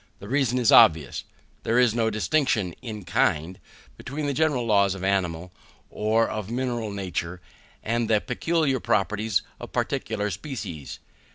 The reason is obvious; there is no distinction in kind between the general laws of animal or of mineral nature and the peculiar properties of particular species.